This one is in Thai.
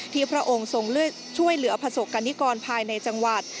พระองค์ทรงช่วยเหลือประสบกรณิกรภายในจังหวัด